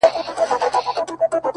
راسه دروې ښيم _